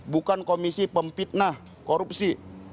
bukan komisi pempitnah korupsi